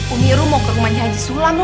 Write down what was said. umi mau ke rumah si sulap